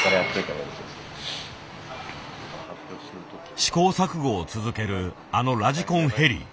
試行錯誤を続けるあのラジコンヘリ。